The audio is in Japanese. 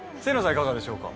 いかがでしょうか？